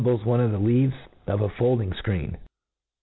es one of the leaves of a folding fcreen.